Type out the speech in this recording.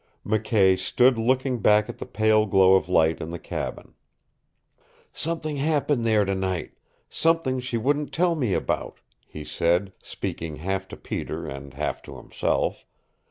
McKay stood looking back at the pale glow of light in the cabin. "Something happened there tonight something she wouldn't tell me about," he said, speaking half to Peter and half to himself.